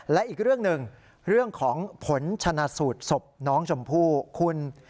และอีกเรื่องหนึ่งเรื่องของผลชนะสูตรศพน้องชมพู่คุณ